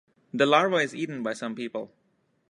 This larva is eaten by some people.